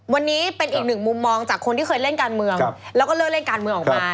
วันนี้เป็นอีกหนึ่งมุมมองจากคนที่เคยเล่นการเมืองแล้วก็เลิกเล่นการเมืองออกมา